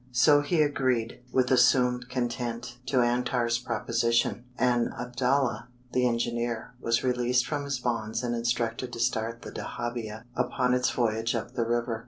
So he agreed, with assumed content, to Antar's proposition, and Abdallah, the engineer, was released from his bonds and instructed to start the dahabeah upon its voyage up the river.